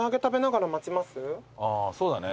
ああそうだね